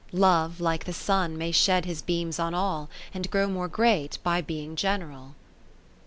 20 Love, like the Sun, may shed his beams on all. And grow more great by being general.